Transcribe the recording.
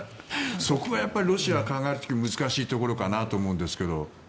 そこがロシアを考える時難しいところかなと思うんですが。